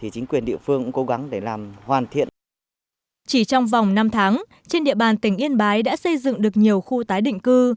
chỉ trong vòng năm tháng trên địa bàn tỉnh yên bái đã xây dựng được nhiều khu tái định cư